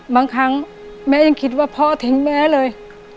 บางครั้งแม่ยังคิดว่าพ่อทิ้งแม่เลย